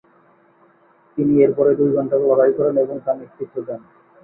তিনি এরপরে দুই ঘণ্টার লড়াই করেন এবং তা নেতৃত্ব দেন।